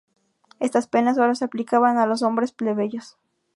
Estas penas sólo se aplicaban a los hombres plebeyos.